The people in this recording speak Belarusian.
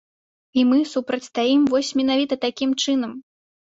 І мы супрацьстаім вось менавіта такім чынам.